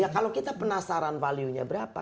kalau kita penasaran value nya berapa